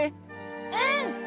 うん！